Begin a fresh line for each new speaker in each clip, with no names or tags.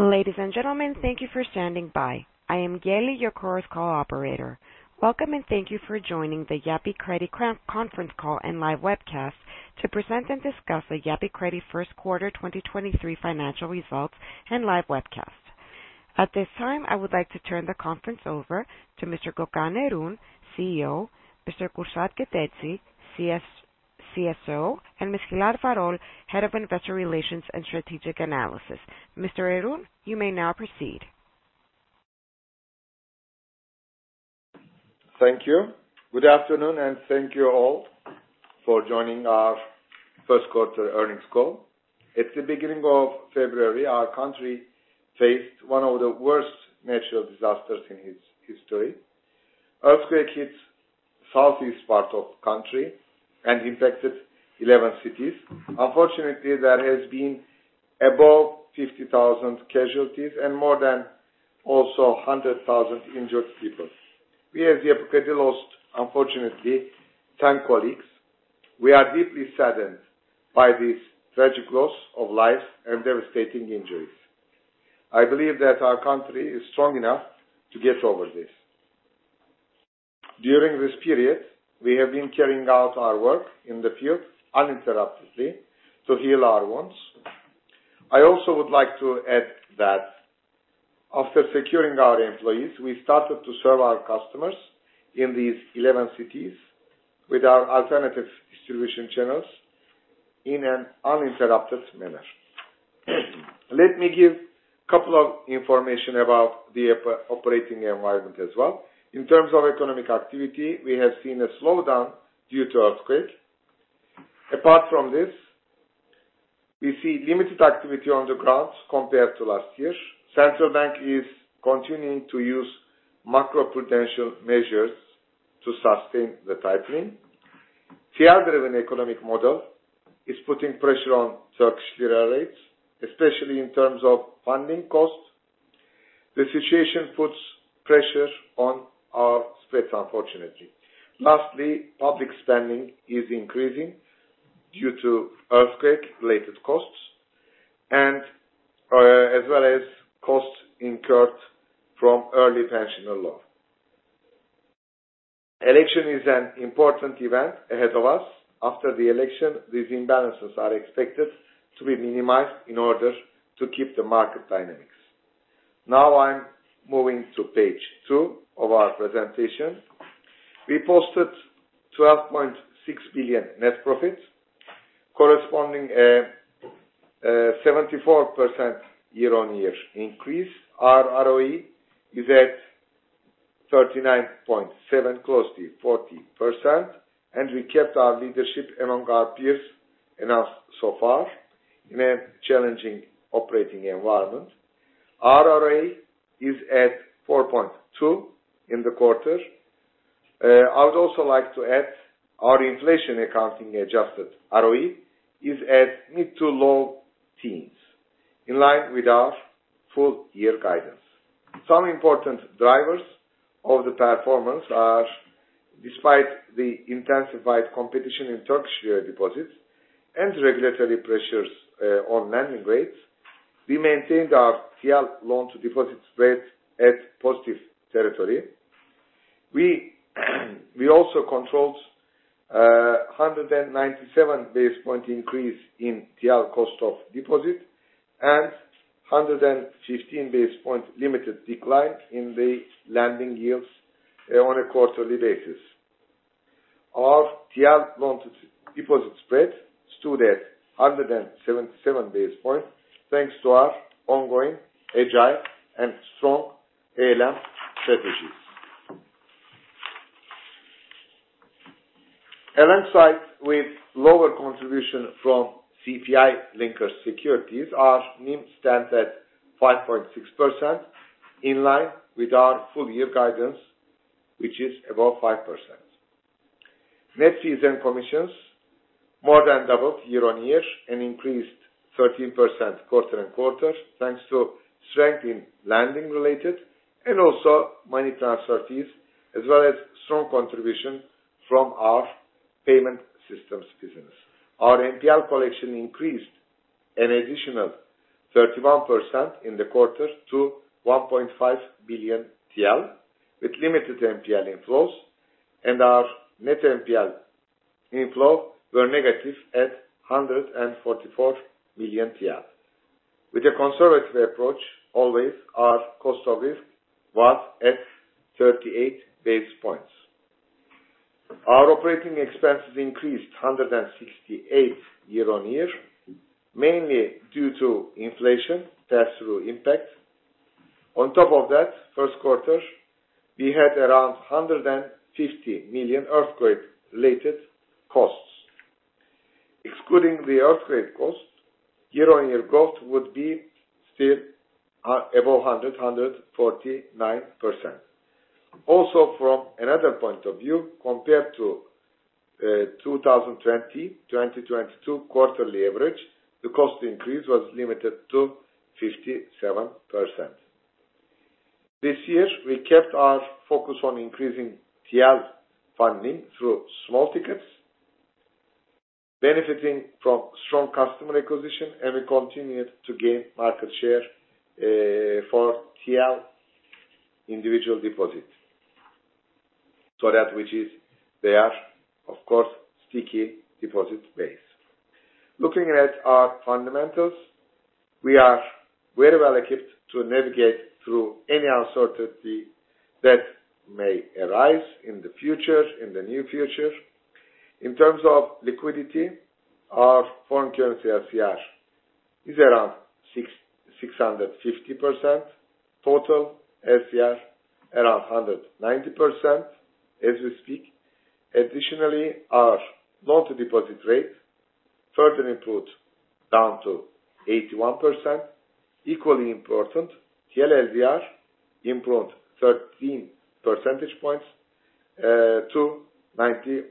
Ladies and gentlemen, thank you for standing by. I am Geli, your Chorus Call operator. Welcome, thank you for joining the Yapı Kredi conference call and live webcast to present and discuss the Yapı Kredi first quarter 2023 financial results and live webcast. At this time, I would like to turn the conference over to Mr. Gökhan Erün, CEO, Mr. Kürşat Keteci, CS-CFO, and Ms. Hilal Varol, Head of Investor Relations and Strategic Analysis. Mr. Gökhan Erün, you may now proceed.
Thank you. Good afternoon, and thank you all for joining our first quarter earnings call. At the beginning of February, our country faced one of the worst natural disasters in its history. Earthquake hit southeast part of country and impacted 11 cities. Unfortunately, there has been above 50,000 casualties and more than also 100,000 injured people. We at Yapi Kredi lost, unfortunately, 10 colleagues. We are deeply saddened by this tragic loss of life and devastating injuries. I believe that our country is strong enough to get over this. During this period, we have been carrying out our work in the field uninterruptedly to heal our wounds. I also would like to add that after securing our employees, we started to serve our customers in these 11 cities with our alternative distribution channels in an uninterrupted manner. Let me give couple of information about the operating environment as well. In terms of economic activity, we have seen a slowdown due to earthquake. Apart from this, we see limited activity on the ground compared to last year. Central Bank is continuing to use macroprudential measures to sustain the tightening. TL-driven economic model is putting pressure on Turkish lira rates, especially in terms of funding costs. The situation puts pressure on our spreads, unfortunately. Lastly, public spending is increasing due to earthquake-related costs and as well as costs incurred from early pension law. Election is an important event ahead of us. After the election, these imbalances are expected to be minimized in order to keep the market dynamics. Now I'm moving to page 2 of our presentation. We posted 12.6 billion net profits corresponding 74% year-on-year increase. Our ROE is at 39.7%, close to 40%, and we kept our leadership among our peers enough so far in a challenging operating environment. Our ROA is at 4.2% in the quarter. I would also like to add our inflation accounting adjusted ROE is at mid-to-low teens, in line with our full year guidance. Some important drivers of the performance are despite the intensified competition in Turkish lira deposits and regulatory pressures on lending rates, we maintained our TL loan to deposits spread at positive territory. We also controlled 197 base point increase in TL cost of deposit and 115 base point limited decline in the lending yields on a quarterly basis. Our TL loan to deposit spread stood at 177 base point, thanks to our ongoing agile and strong ALM strategies. Alongside with lower contribution from CPI-linked securities, our NIM stands at 5.6%, in line with our full year guidance, which is above 5%. Net fees and commissions more than doubled year-over-year and increased 13% quarter-over-quarter, thanks to strength in lending related and also money transfer fees, as well as strong contribution from our payment systems business. Our NPL collection increased an additional 31% in the quarter to 1.5 billion TL, with limited NPL inflows and our net NPL inflow were negative at 144 million. With a conservative approach always, our cost of risk was at 38 basis points. Our operating expenses increased 168 year-over-year, mainly due to inflation pass-through impact. First quarter, we had around 150 million earthquake-related costs. Excluding the earthquake costs, year-on-year growth would be still above 149%. From another point of view, compared to 2020-2022 quarterly average, the cost increase was limited to 57%. This year, we kept our focus on increasing TL funding through small tickets. Benefiting from strong customer acquisition, we continued to gain market share for TL individual deposits. That which is there, of course, sticky deposit base. Looking at our fundamentals, we are very well equipped to navigate through any uncertainty that may arise in the future, in the near future. In terms of liquidity, our foreign currency LCR is around 650%. Total LCR around 190% as we speak. Additionally, our loan-to-deposit rate further improved down to 81%. Equally important, TL LDR improved 13 percentage points to 91%.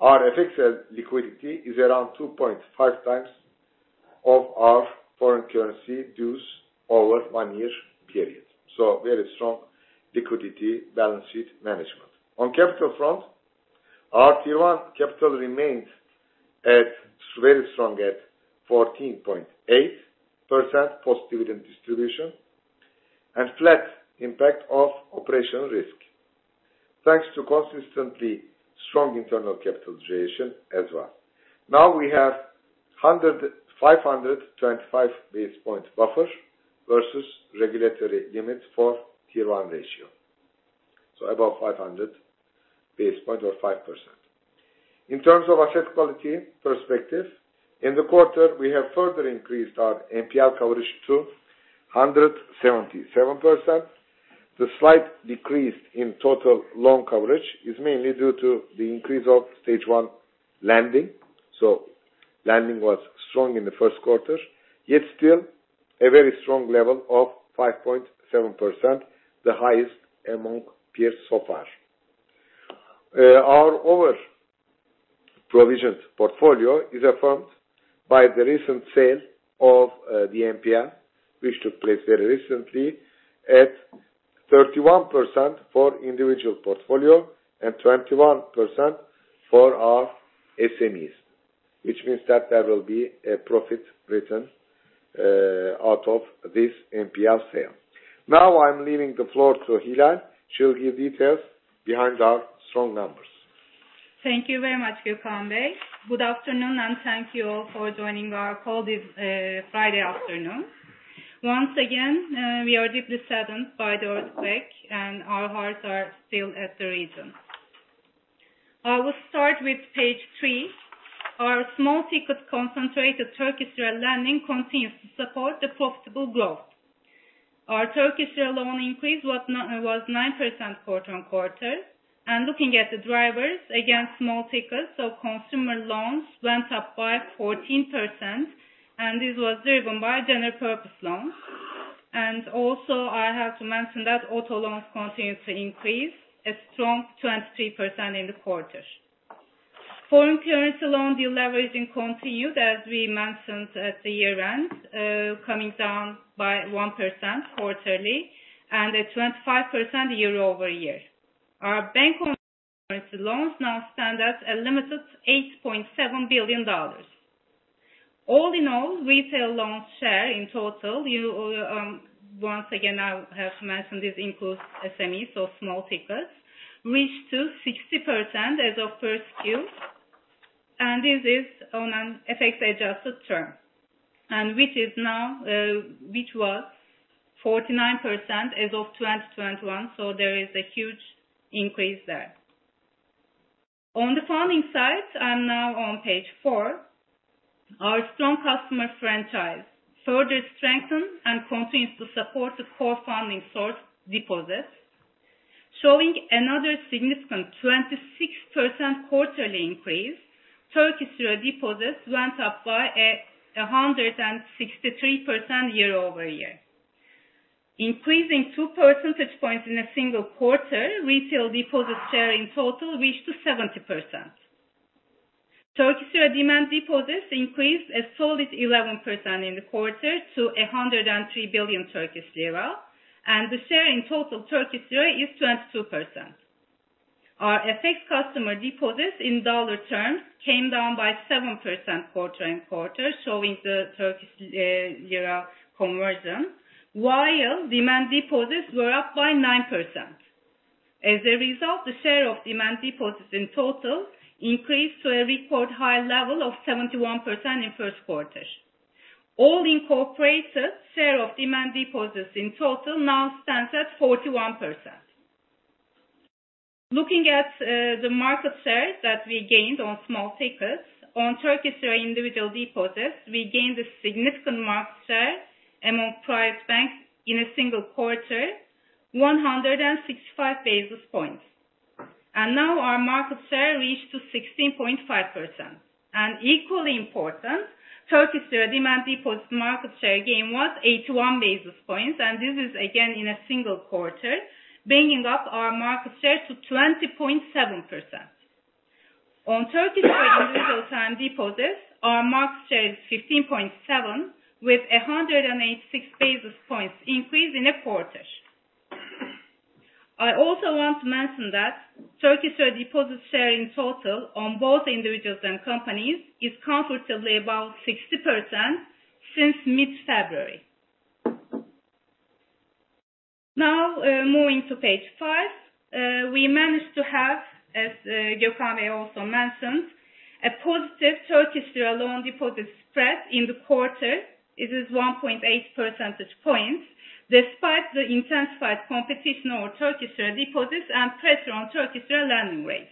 Our FX LCR liquidity is around 2.5 times of our foreign currency dues over 1 year period. Very strong liquidity balance sheet management. On capital front, our Tier 1 capital remains very strong at 14.8% post dividend distribution and flat impact of operational risk. Thanks to consistently strong internal capital generation as well. We have 525 base points buffer versus regulatory limits for Tier 1 ratio. Above 500 base point or 5%. In terms of asset quality perspective, in the quarter we have further increased our NPL coverage to 177%. The slight decrease in total loan coverage is mainly due to the increase of Stage 1 lending. Lending was strong in the first quarter. Yet still a very strong level of 5.7%, the highest among peers so far. Our over provisioned portfolio is affirmed by the recent sale of the NPL, which took place very recently at 31% for individual portfolio and 21% for our SMEs. Which means that there will be a profit return out of this NPL sale. Now I'm leaving the floor to Hilal Varol. She'll give details behind our strong numbers.
Thank you very much, Gökhan Erün. Good afternoon and thank you all for joining our call this Friday afternoon. Once again, we are deeply saddened by the earthquake and our hearts are still at the region. I will start with page 3. Our small ticket concentrated Turkish lira lending continues to support the profitable growth. Our Turkish lira loan increase was 9% quarter-on-quarter. Looking at the drivers against small tickets, consumer loans went up by 14% and this was driven by General Purpose Loans. Also I have to mention that auto loans continued to increase a strong 23% in the quarter. Foreign currency loan deleveraging continued, as we mentioned at the year-end, coming down by 1% quarterly and at 25% year-over-year. Our bank loans now stand at a limited $8.7 billion. All in all, retail loans share in total, once again, I have to mention this includes SMEs or small tickets, reached to 60% as of 1Q. This is on an FX-adjusted term. Which is now, which was 49% as of 2021. There is a huge increase there. On the funding side, I'm now on page 4. Our strong customer franchise further strengthened and continues to support the core funding source deposits. Showing another significant 26% quarterly increase, Turkish lira deposits went up by a 163% year-over-year. Increasing 2 percentage points in a single quarter, retail deposit share in total reached to 70%. Turkish lira demand deposits increased a solid 11% in the quarter to 103 billion Turkish lira. The share in total Turkish lira is 22%. Our FX customer deposits in dollar terms came down by 7% quarter-on-quarter, showing the Turkish lira conversion, while demand deposits were up by 9%. As a result, the share of demand deposits in total increased to a record high level of 71% in 1st quarter. All incorporated share of demand deposits in total now stands at 41%. Looking at the market share that we gained on small tickets. On Turkish lira individual deposits, we gained a significant market share among private banks in a single quarter, 165 basis points. Now our market share reached to 16.5%. Equally important, Turkish lira demand deposit market share gain was 81 basis points, and this is again in a single quarter, bringing up our market share to 20.7%. On Turkish individual-term deposits, our market share is 15.7 with 186 basis points increase in a quarter. I also want to mention that Turkish lira deposit share in total on both individuals and companies is comfortably above 60% since mid-February. Now, moving to page five. We managed to have, as Gökhan also mentioned, a positive Turkish lira loan deposit spread in the quarter. It is 1.8 percentage points despite the intensified competition over Turkish lira deposits and pressure on Turkish lira lending rates.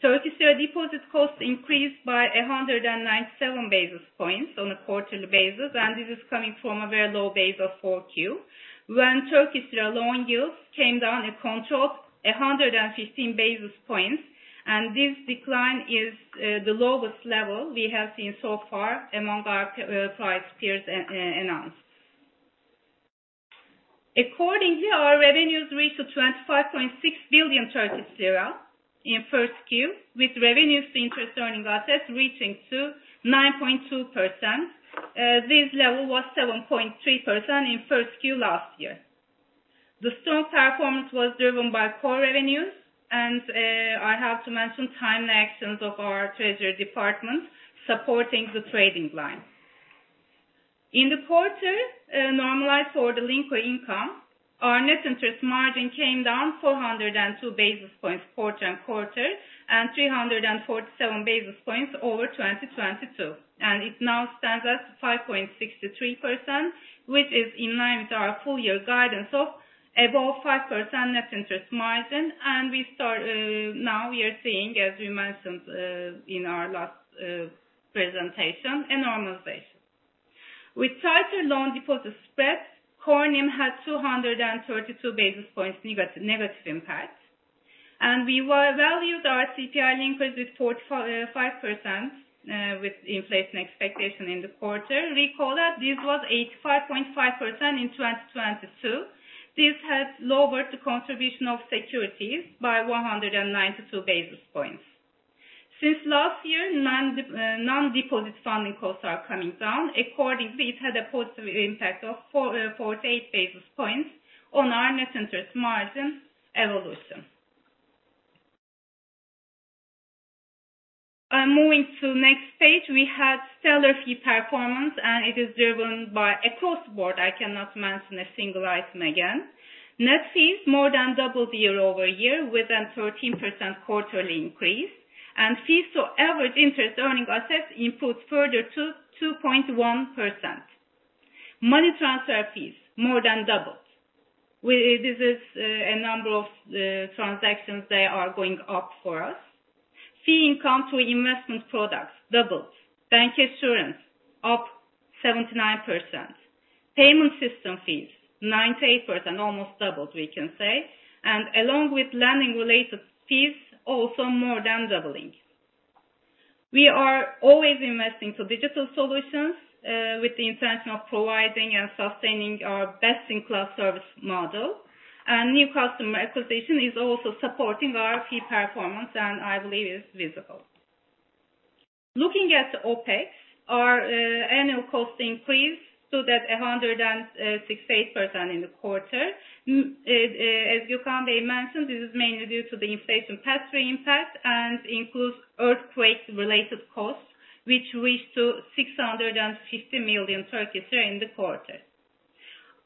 Turkish lira deposit costs increased by 197 basis points on a quarterly basis, and this is coming from a very low base of 4Q. When Turkish lira loan yields came down, it controlled 115 basis points. This decline is the lowest level we have seen so far among our private peers announced. Accordingly, our revenues reached to 25.6 billion Turkish lira in 1Q, with revenues to interest earning assets reaching to 9.2%. This level was 7.3% in 1Q last year. The strong performance was driven by core revenues and I have to mention timely actions of our treasury department supporting the trading line. In the quarter, normalized for the link or income, our net interest margin came down 402 basis points quarter-on-quarter and 347 basis points over 2022. It now stands at 5.63%, which is in line with our full year guidance of above 5% net interest margin. Now we are seeing, as we mentioned in our last presentation, a normalization. With tighter loan deposit spreads, core NIM had 232 basis points negative impact. We valued our CPI link was at 45% with inflation expectation in the quarter. Recall that this was 85.5% in 2022. This has lowered the contribution of securities by 192 basis points. Since last year, non-deposit funding costs are coming down. Accordingly, it had a positive impact of 48 basis points on our net interest margin evolution. Moving to next page. We had stellar fee performance, and it is driven by across the board. I cannot mention a single item again. Net fees more than doubled year-over-year with a 13% quarterly increase. Fees to average interest earning assets improved further to 2.1%. Money transfer fees more than doubled. This is a number of transactions that are going up for us. Fee income to investment products doubled. Bank insurance up 79%. Payment system fees, 98%, almost doubled, we can say. Along with lending related fees, also more than doubling. We are always investing to digital solutions, with the intention of providing and sustaining our best-in-class service model. New customer acquisition is also supporting our fee performance, and I believe it's visible. Looking at the OpEx, our annual cost increased to that 168% in the quarter. As Gökhan Erün mentioned, this is mainly due to the inflation pass-through impact and includes earthquake related costs which reached to 650 million in the quarter.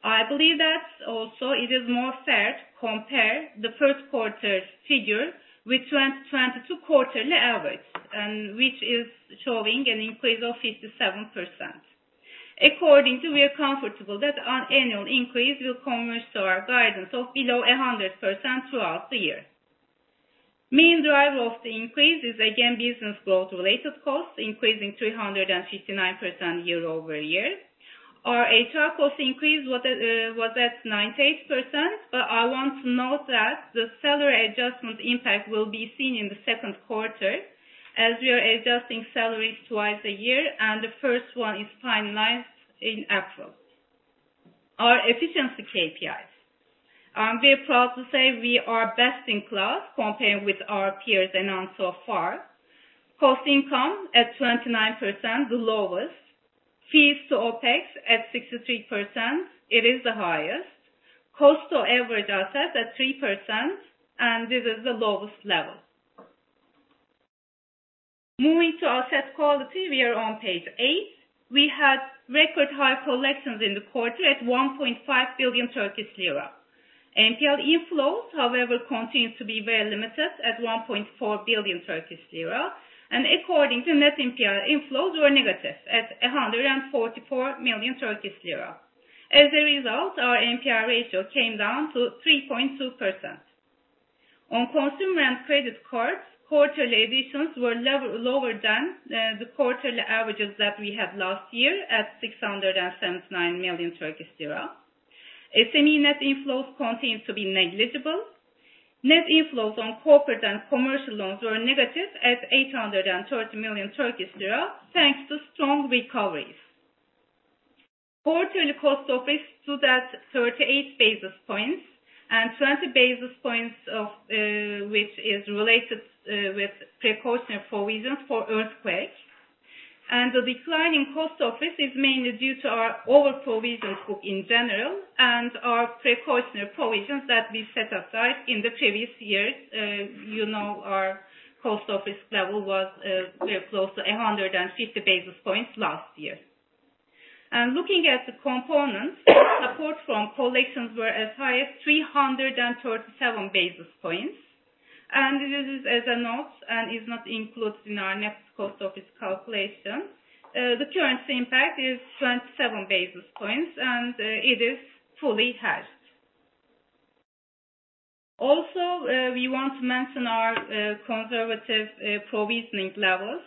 I believe that also it is more fair to compare the first quarter's figure with 2022 quarterly average, and which is showing an increase of 57%. We are comfortable that our annual increase will come close to our guidance of below 100% throughout the year. Main driver of the increase is again, business growth related costs, increasing 359% year-over-year. Our HR cost increase was at 98%. I want to note that the salary adjustment impact will be seen in the second quarter as we are adjusting salaries twice a year and the first one is finalized in April. Our efficiency KPIs. We are proud to say we are best in class compared with our peers announced so far. Cost income at 29%, the lowest. Fees to OpEx at 63%, it is the highest. Cost to average assets at 3%, this is the lowest level. Moving to asset quality, we are on page 8. We had record high collections in the quarter at 1.5 billion Turkish lira. NPL inflows, however, continues to be very limited at 1.4 billion Turkish lira. According to net NPL inflows were negative at 144 million Turkish lira. As a result, our NPL ratio came down to 3.2%. On consumer and credit cards, quarterly additions were lower than the quarterly averages that we had last year at TRY 679 million. SME net inflows continues to be negligible. Net inflows on corporate and commercial loans were negative at 830 million Turkish lira thanks to strong recoveries. Quarterly cost of risk stood at 38 basis points and 20 basis points of which is related with precaution for reasons for earthquake. The declining cost of this is mainly due to our overprovision book in general and our precautionary provisions that we set aside in the previous years. Our cost office level was close to 150 basis points last year. Looking at the components, support from collections were as high as 337 basis points. This is as a note and is not included in our next cost office calculation. The currency impact is 27 basis points, and it is fully hedged. We want to mention our conservative provisioning levels.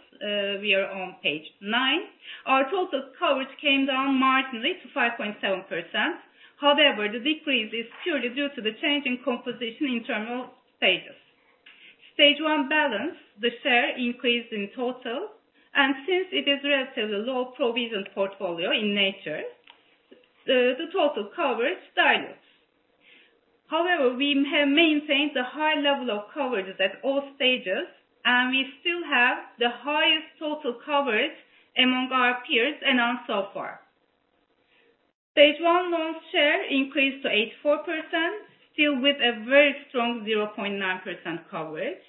We are on page 9. Our total coverage came down marginally to 5.7%. However, the decrease is purely due to the change in composition internal stages. Stage 1 balance, the share increased in total, and since it is relatively low provisioned portfolio in nature, the total coverage dilutes. However, we have maintained a high level of coverage at all stages, and we still have the highest total coverage among our peers and ourselves. Stage 1 loans share increased to 84%, still with a very strong 0.9% coverage.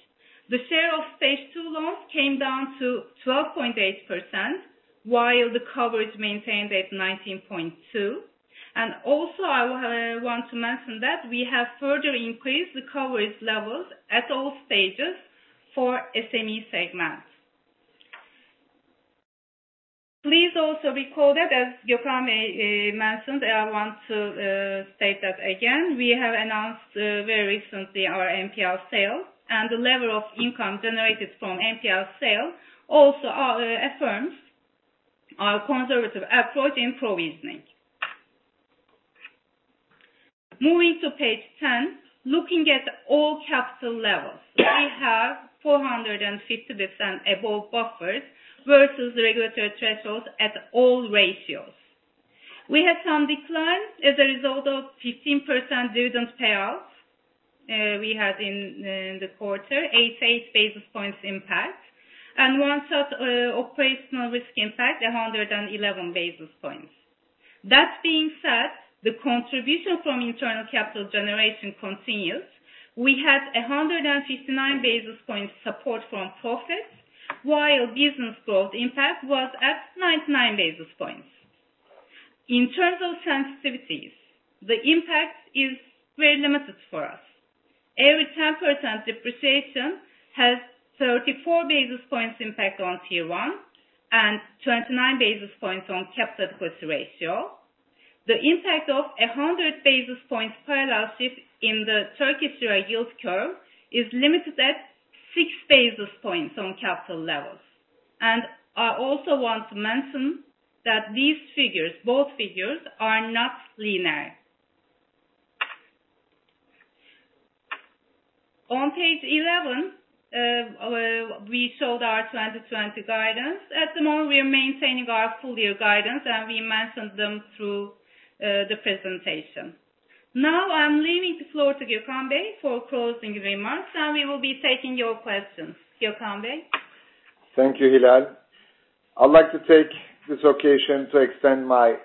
The share of Stage 2 loans came down to 12.8%, while the coverage maintained at 19.2%. Also, I want to mention that we have further increased the coverage levels at all stages for SME segments. Please also recall that as Gökhan Erün mentioned, I want to state that again, we have announced very recently our NPL sale and the level of income generated from NPL sale also affirms our conservative approach in provisioning. Moving to page 10. Looking at all capital levels, we have 450% above buffers versus regulatory thresholds at all ratios. We have some declines as a result of 15% dividend payouts we had in the quarter, 8 basis points impact. One such operational risk impact, 111 basis points. That being said, the contribution from internal capital generation continues. We had 159 basis points support from profits, while business growth impact was at 99 basis points. In terms of sensitivities, the impact is very limited for us. Every 10% depreciation has 34 basis points impact on Tier 1 and 29 basis points on capital ratio. The impact of 100 basis points parallel shift in the Turkish lira yield curve is limited at 6 basis points on capital levels. I also want to mention that these figures, both figures, are not linear. On page 11, we showed our 2020 guidance. At the moment, we are maintaining our full year guidance. We mentioned them through the presentation. Now I'm leaving the floor to Gökhan Erün, for closing remarks. We will be taking your questions. Gökhan Erün
Thank you, Gökhan Erün, I'd like to take this occasion to extend my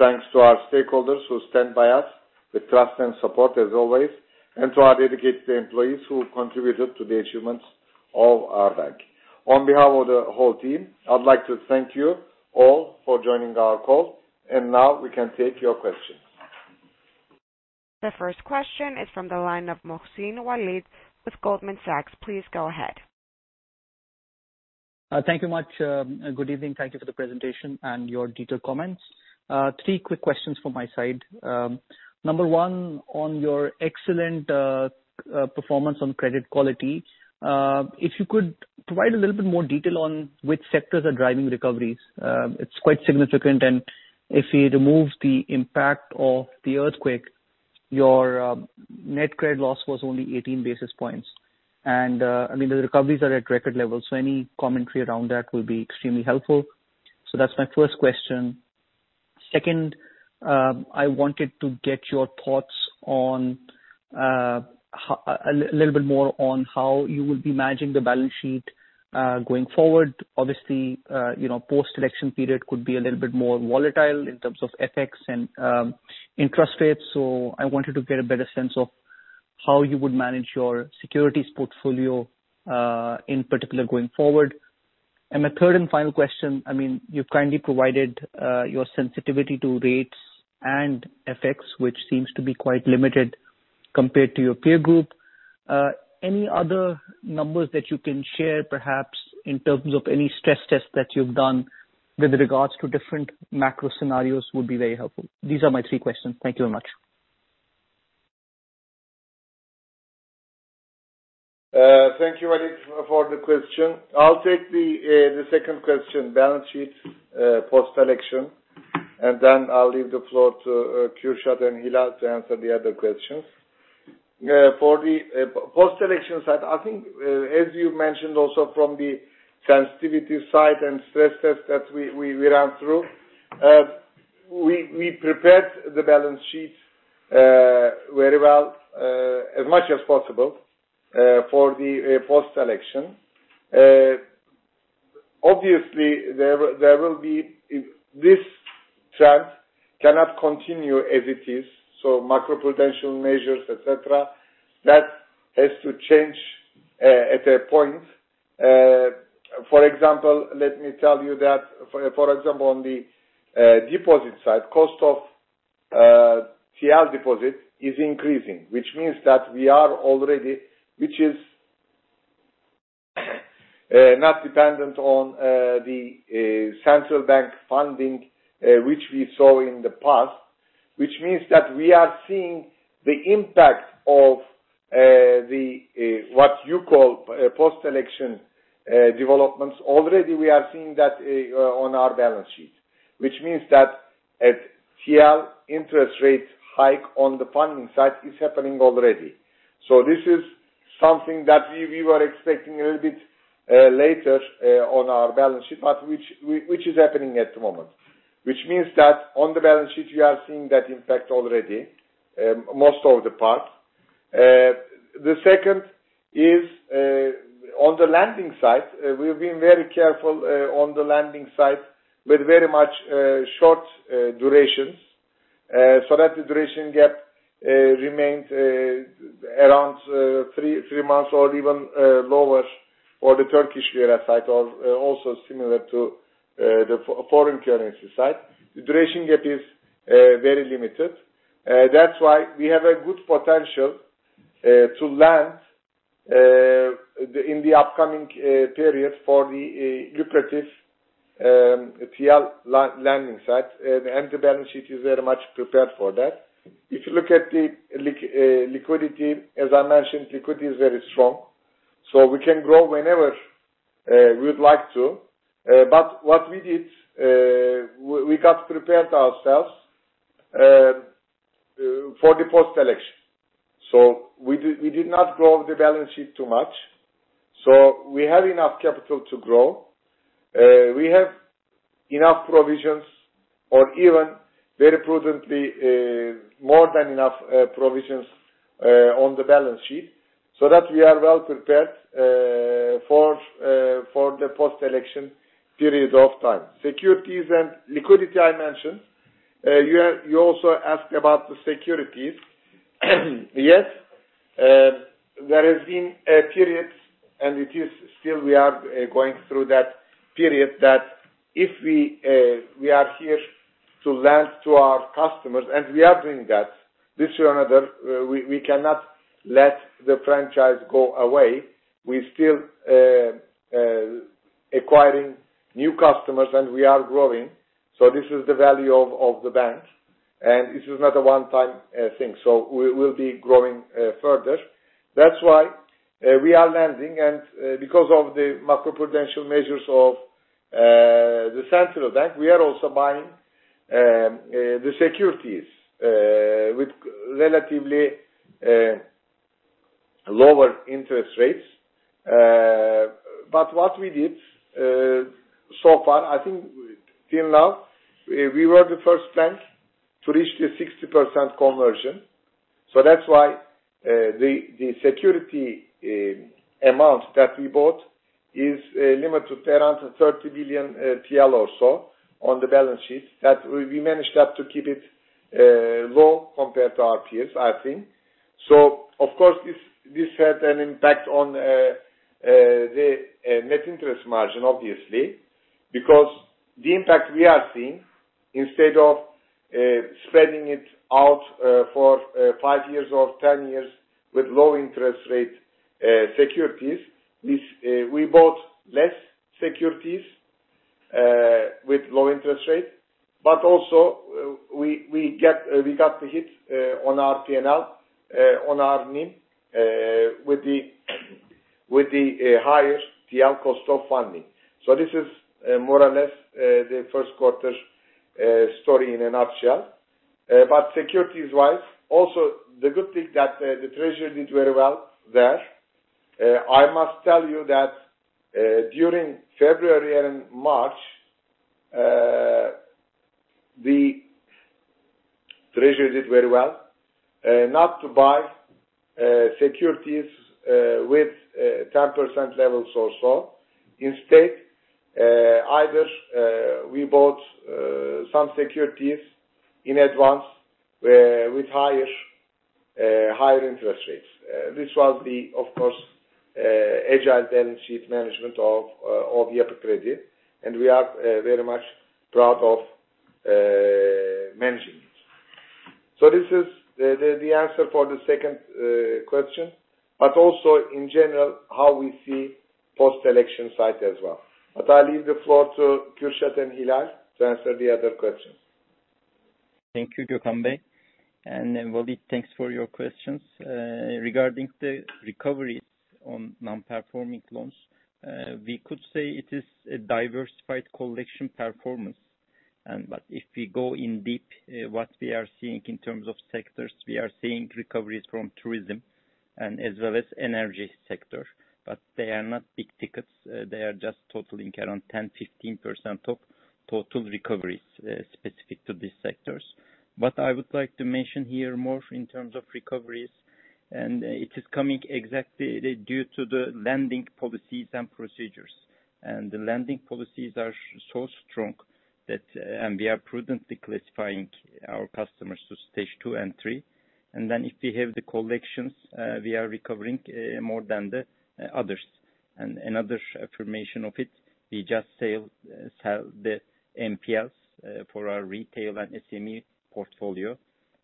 thanks to our stakeholders who stand by us with trust and support as always, and to our dedicated employees who contributed to the achievements of our bank. On behalf of the whole team, I'd like to thank you all for joining our call. Now we can take your questions.
The first question is from the line of Waleed Mohsin with Goldman Sachs. Please go ahead.
Thank you much. Good evening. Thank you for the presentation and your detailed comments. Three quick questions from my side. Number one, on your excellent performance on credit quality, if you could provide a little bit more detail on which sectors are driving recoveries. It's quite significant. If we remove the impact of the earthquake, your net credit loss was only 18 basis points. I mean, the recoveries are at record levels, so any commentary around that will be extremely helpful. That's my first question. Second, I wanted to get your thoughts on a little bit more on how you will be managing the balance sheet going forward. Obviously, post-election period could be a little bit more volatile in terms of FX and interest rates. I wanted to get a better sense of how you would manage your securities portfolio, in particular going forward. My third and final question, I mean, you've kindly provided, your sensitivity to rates and FX, which seems to be quite limited compared to your peer group. Any other numbers that you can share, perha Mps in terms of any stress tests that you've done with regards to different macro scenarios would be very helpful. These are my three questions. Thank you very much.
Thank you, Waleed Mohsin, for the question. I'll take the second question, balance sheet, post-election, and then I'll leave the floor to Kusnat and Hilal to answer the other questions. For the post-election side, I think, as you mentioned, also from the sensitivity side and stress test that we ran through, We prepared the balance sheets very well, as much as possible, for the post-election. Obviously, there will be if this trend cannot continue as it is, so macroprudential measures, et cetera, that has to change at a point. For example, let me tell you that for example, on the deposit side, cost of TL deposit is increasing. Which means that we are already, which is not dependent on the Central Bank funding, which we saw in the past. Which means that we are seeing the impact of the what you call post-election developments. Already we are seeing that on our balance sheet, which means that at TL interest rate hike on the funding side is happening already. This is something that we were expecting a little bit later on our balance sheet, but which is happening at the moment. Which means that on the balance sheet we are seeing that impact already, most of the part. The second is on the lending side, we've been very careful on the lending side with very much short durations, so that the duration gap remains around 3 months or even lower for the TL side or also similar to the foreign currency side. The duration gap is very limited. That's why we have a good potential to lend in the upcoming period for the lucrative TL lending side. The balance sheet is very much prepared for that. If you look at the liquidity, as I mentioned, liquidity is very strong, so we can grow whenever we would like to. But what we did, we got prepared ourselves for the post-election. We did not grow the balance sheet too much, so we have enough capital to grow. We have enough provisions or even very prudently, more than enough provisions on the balance sheet, so that we are well prepared for the post-election period of time. Securities and liquidity I mentioned. You also asked about the securities. Yes, there has been periods and it is still we are going through that period that if we are here to lend to our customers, and we are doing that this way or another, we cannot let the franchise go away. We still acquiring new customers and we are growing. This is the value of the bank, and this is not a one-time thing. We'll be growing further. That's why, we are lending. Because of the macroprudential measures of the Central Bank, we are also buying the securities with relatively lower interest rates. What we did so far, I think till now, we were the first bank to reach the 60% conversion. That's why, the security amount that we bought is limited to around 30 billion TL or so on the balance sheet. That we managed that to keep it low compared to our peers, I think. Of course, this had an impact on the net interest margin, obviously, because the impact we are seeing, instead of spreading it out for 5 years or 10 years with low interest rate securities, this we bought less securities with low interest rate. Also, we got the hit on our P&L on our NIM with the higher TL cost of funding. This is more or less the first quarter story in a nutshell. Securities-wise, also the good thing that the treasury did very well there, I must tell you that during February and March, the treasury did very well not to buy securities with 10% levels or so. Instead, either we bought some securities in advance with higher interest rates. This was the, of course, agile balance sheet management of Yapı Kredi, and we are very much proud of managing it. This is the answer for the second question, but also in general, how we see post-election side as well. I leave the floor to Kürşat Keteci and Hilal to answer the other questions.
Thank you, Gökhan Bey. Waleed Mohsin thanks for your questions. Regarding the recoveries on non-performing loans, we could say it is a diversified collection performance. If we go in deep, what we are seeing in terms of sectors, we are seeing recoveries from tourism and as well as energy sector. They are not big tickets, they are just totaling around 10%-15% of total recoveries, specific to these sectors. I would like to mention here more in terms of recoveries, and it is coming exactly due to the lending policies and procedures. The lending policies are so strong that, and we are prudently classifying our customers to Stage 2 and 3. If we have the collections, we are recovering more than the others. Another affirmation of it, we just sale, sell the NPLs for our retail and SME portfolio.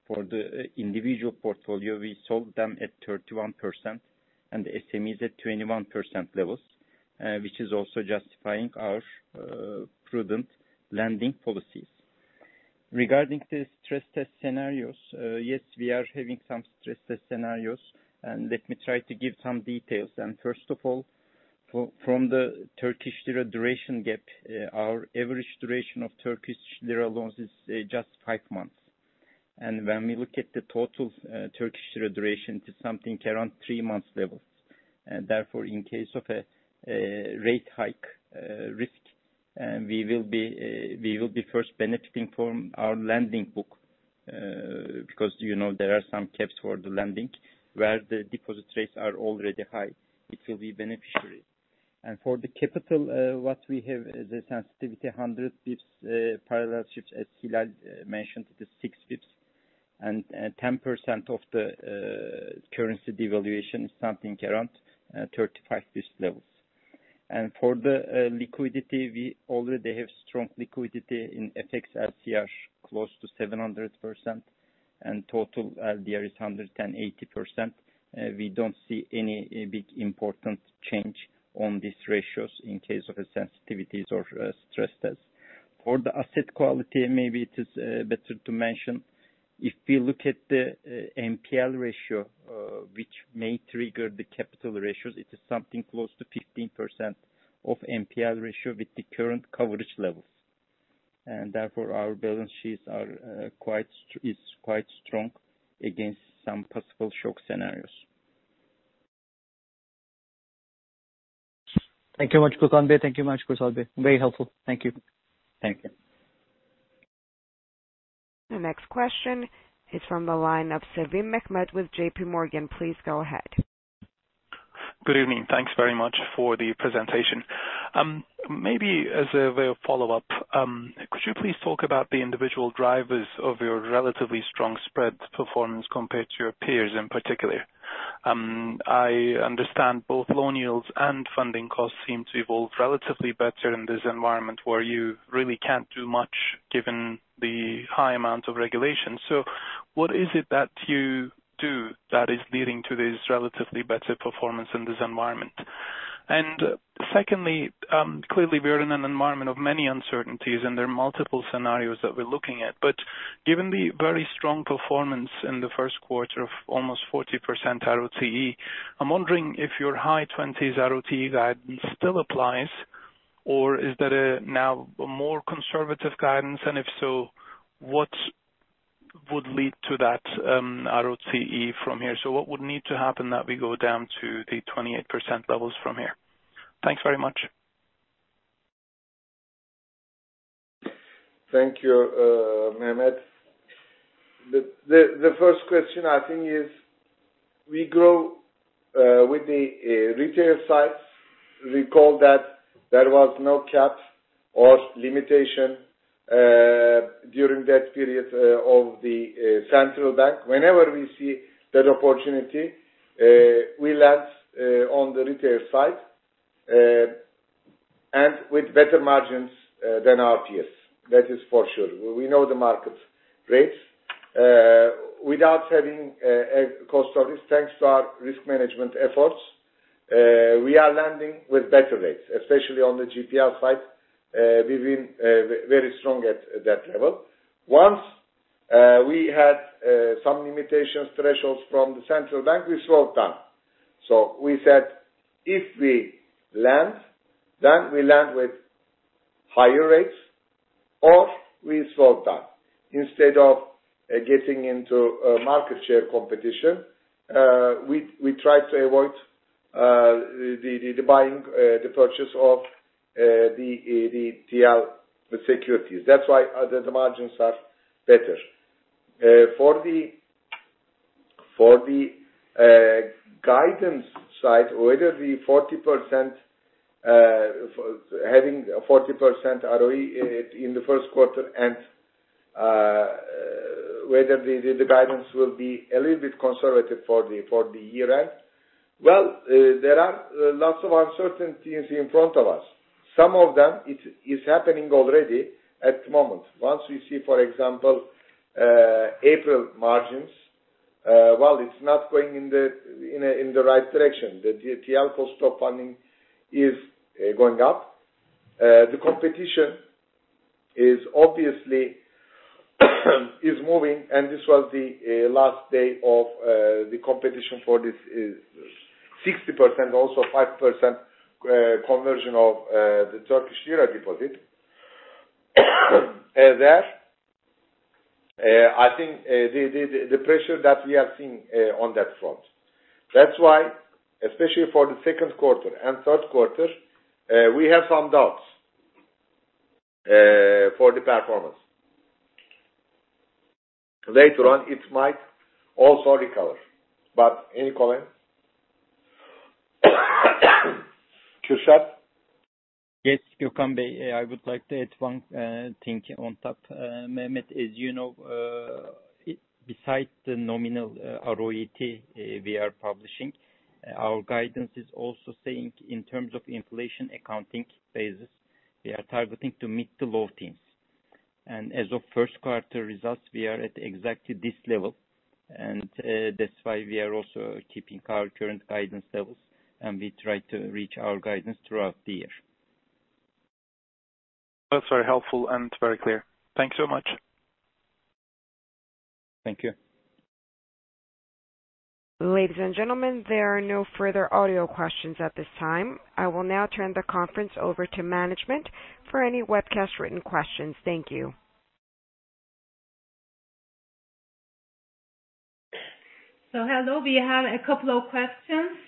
For the individual portfolio, we sold them at 31% and the SMEs at 21% levels, which is also justifying our prudent lending policies. Regarding the stress test scenarios, yes, we are having some stress test scenarios, and let me try to give some details. First of all, from the Turkish lira duration gap, our average duration of Turkish lira loans is just five months. When we look at the total Turkish lira duration to something around three months levels. Therefore, in case of a rate hike risk, we will be first benefiting from our lending book, because, there are some caps for the lending where the deposit rates are already high. It will be beneficiary. For the capital, what we have the sensitivity in 100 basis points parallel shifts, as Hilal mentioned, the 6 basis points. 10% of the currency devaluation is something around 35 basis points levels. For the liquidity, we already have strong liquidity in FX LCR close to 700% and total LDR is 180%. We don't see any big important change on these ratios in case of sensitivities or a stress test. For the asset quality, maybe it is better to mention, if we look at the NPL ratio, which may trigger the capital ratios, it is something close to 15% of NPL ratio with the current coverage levels. Therefore, our balance sheets are quite strong against some possible shock scenarios.
Thank you much, Gokhan. Thank you much, Gokhane Lou. Very helpful. Thank you.
Thank you.
The next question is from the line of Mehmet Sevim with J.P. Morgan. Please go ahead.
Good evening. Thanks very much for the presentation. Maybe as a way of follow-up, could you please talk about the individual drivers of your relatively strong spread performance compared to your peers in particular? I understand both loan yields and funding costs seem to evolve relatively better in this environment where you really can't do much given the high amount of regulation. What is it that you do that is leading to this relatively better performance in this environment? Secondly, clearly we're in an environment of many uncertainties, and there are multiple scenarios that we're looking at. But given the very strong performance in the first quarter of almost 40% ROCE, I'm wondering if your high 20s ROCE guide still applies, or is that a now more conservative guidance? If so, what would lead to that ROCE from here? What would need to happen that we go down to the 28% levels from here? Thanks very much.
Thank you, Mehmet. The first question I think is we grow with the retail side. Recall that there was no cap or limitation during that period of the Central Bank. Whenever we see that opportunity, we lend on the retail side and with better margins than our peers. That is for sure. We know the market rates. Without having a cost of risk, thanks to our risk management efforts, we are lending with better rates, especially on the GPL side. We've been very strong at that level. Once we had some limitations thresholds from the Central Bank, we slowed down. We said, "If we lend, then we lend with higher rates or we slow down." Instead of getting into a market share competition, we try to avoid the buying the purchase of the TL securities. That's why the margins are better. For the guidance side, whether the 40% for having 40% ROE in the first quarter and whether the guidance will be a little bit conservative for the year end. There are lots of uncertainties in front of us. Some of them it is happening already at the moment. Once we see, for example, April margins, while it's not going in the right direction, the TL cost of funding is going up. The competition is obviously, is moving, and this was the last day of the competition for this is 60%, also 5% conversion of the Turkish lira deposit. I think the pressure that we have seen on that front. That's why, especially for the second quarter and third quarter, we have some doubts for the performance. Later on, it might also recover. Any comment? Kürşad?
Yes, Gökhan Bey. I would like to add one thing on top. Mehmet, as you know besides the nominal ROATE, we are publishing, our guidance is also saying in terms of inflation accounting basis, we are targeting to meet the low teens. And as of first quarter results, we are at exactly this level. And that's why we are also keeping our current guidance levels, and we try to reach our guidance throughout the year.
That's very helpful and very clear. Thank you so much.
Thank you.
Ladies and gentlemen, there are no further audio questions at this time. I will now turn the conference over to management for any webcast written questions. Thank you.
Hello, we have a couple of questions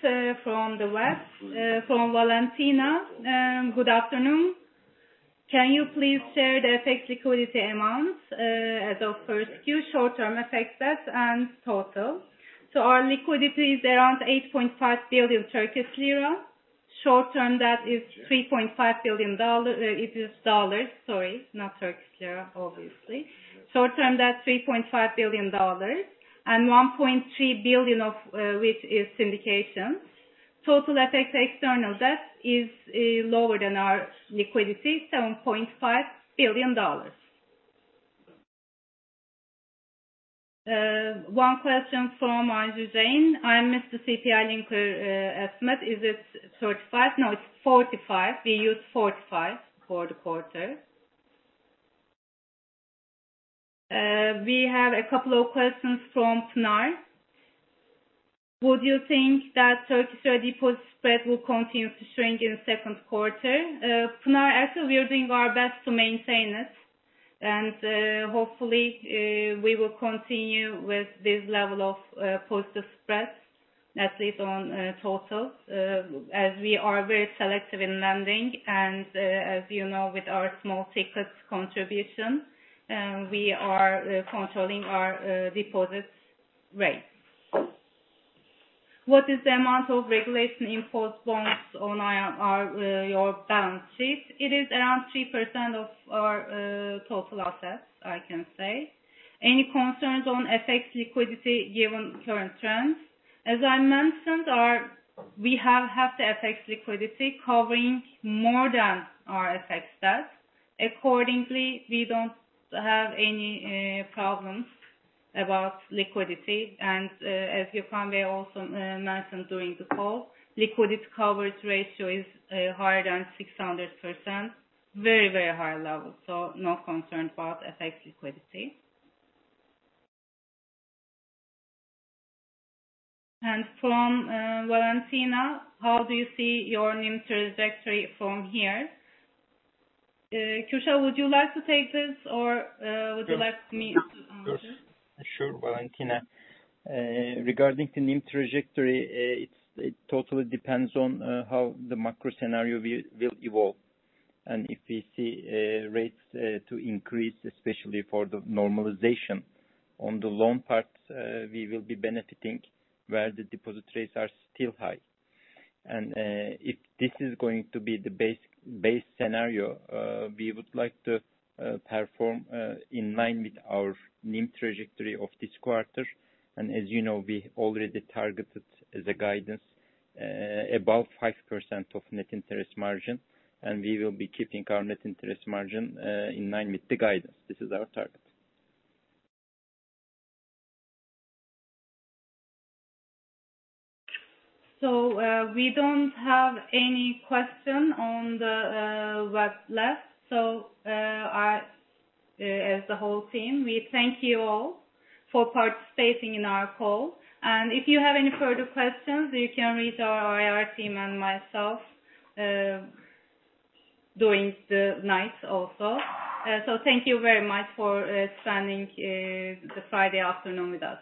from the west, from Valentina Goryunova. Good afternoon. Can you please share the FX liquidity amounts as of 1Q, short-term FX debt and total? Our liquidity is around 8.5 billion Turkish lira. Short term, that is $3.5 billion, sorry, not Turkish lira, obviously. Short term, that's $3.5 billion and $1.3 billion of which is syndication. Total FX external debt is lower than our liquidity, $7.5 billion. One question from Isaac Zane. I missed the CPI linker estimate. Is it 35? No, it's 45. We use 45 for the quarter. We have a couple of questions from Pinar. Would you think that Turkish deposit spread will continue to shrink in the second quarter? Pinar Cinar, actually, we are doing our best to maintain it. Hopefully, we will continue with this level of positive spreads, at least on total, as we are very selective in lending. As you know, with our small tickets contribution, we are controlling our deposits rate. What is the amount of regulation imposed loans on our, your balance sheet? It is around 3% of our total assets, I can say. Any concerns on FX liquidity given current trends? As I mentioned, we have the FX liquidity covering more than our FX debt. Accordingly, we don't have any problems about liquidity. As Gökhan Bey also mentioned during the call, liquidity coverage ratio is higher than 600%. Very, very high level. No concern about FX liquidity. From Valentina, how do you see your NIM trajectory from here? Kürşat, would you like to take this or, would you like me to answer?
Sure, Valentina. Regarding the NIM trajectory, it totally depends on how the macro scenario will evolve. If we see rates to increase, especially for the normalization on the loan parts, we will be benefiting where the deposit rates are still high. If this is going to be the base scenario, we would like to perform in line with our NIM trajectory of this quarter. As you know, we already targeted the guidance above 5% of net interest margin, and we will be keeping our net interest margin in line with the guidance. This is our target.
We don't have any question on the west left. I, as the whole team, we thank you all for participating in our call. If you have any further questions, you can reach our IR team and myself during the night also. Thank you very much for spending the Friday afternoon with us.